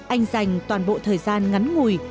anh dành toàn bộ thời gian ngắn ngùi